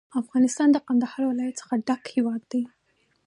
افغانستان له کندهار ولایت څخه ډک هیواد دی.